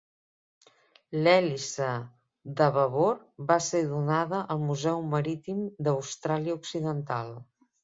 L'hèlice de babord va ser donada al Museu Marítim d'Austràlia Occidental.